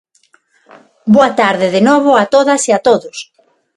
Boa tarde de novo a todas e a todos.